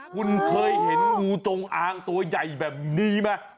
คุณเคยเห็นงูจงอางตัวใหญ่แบบนี้ไหม